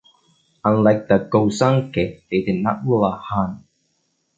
Unlike the "Gosanke", they did not rule a "han".